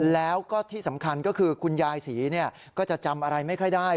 แล้วก็ที่สำคัญก็คือคุณยายศรีก็จะจำอะไรไม่ค่อยได้